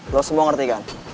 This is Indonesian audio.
lo semua ngerti kan